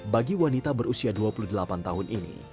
bagi wanita berusia dua puluh delapan tahun ini